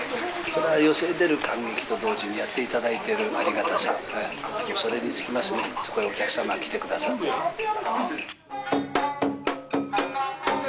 それは寄席へ出る感激と同時にやっていただいているありがたさ、それに尽きますね、そこにお客様が来てくださって。